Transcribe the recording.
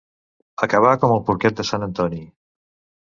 Acabar com el porquet de sant Antoni.